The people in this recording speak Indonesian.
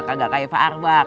tidak seperti pak ardha